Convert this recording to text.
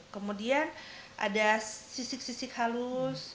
kemudian ada sisik sisik halus